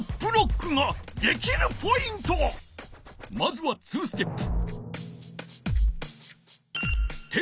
まずは２ステップ。